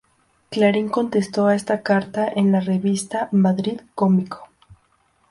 Clarín contestó a esta carta en la revista "Madrid Cómico".